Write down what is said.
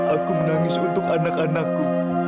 aku menangis untuk anak anakku